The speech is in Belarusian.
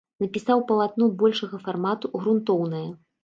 Напісаў палатно большага фармату, грунтоўнае.